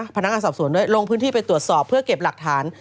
พนักงานสอบสวนด้วยลงพื้นที่ไปตรวจสอบเพื่อเก็บหลักฐาน